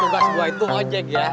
eh tugas gua itu ojek ya